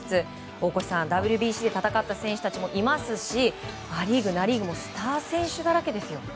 大越さん、ＷＢＣで戦った選手たちもいますしア・リーグ、ナ・リーグもスター選手だらけですよ。